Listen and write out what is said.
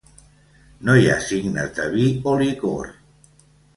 No hi ha signes de vi o licor.